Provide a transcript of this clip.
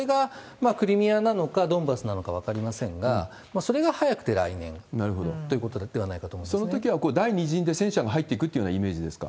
それがクリミアなのか、ドンバスなのか分かりませんが、それが早くて来年。ということではないかそのときは、第２陣で戦車が入っていくというイメージですか？